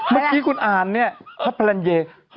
เมื่อกี้ขุนอ่านเนี่ยพาลันเย